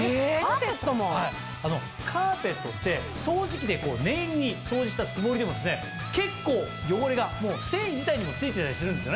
カーペットって掃除機で念入りに掃除したつもりでも結構汚れが繊維自体にも付いてたりするんですよね。